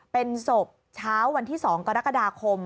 เป็นศพเช้าวันที่๒กรกฎาคม